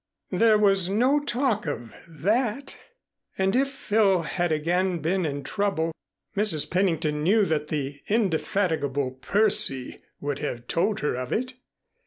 There was no talk of that. And if Phil had again been in trouble, Mrs. Pennington knew that the indefatigable Percy would have told her of it.